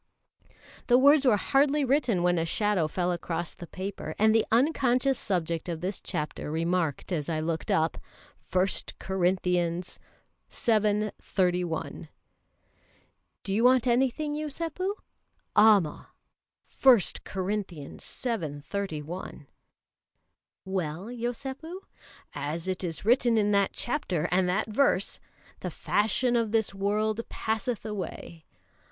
... The words were hardly written when a shadow fell across the paper, and the unconscious subject of this chapter remarked as I looked up: "1 Corinthians vii. 31." "Do you want anything, Yosépu?" "Amma! 1 Corinthians vii. 31." "Well, Yosépu?" "As it is written in that chapter, and that verse: 'The fashion of this world passeth away.'